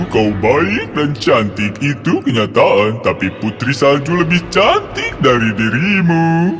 kau baik dan cantik itu kenyataan tapi putri salju lebih cantik dari dirimu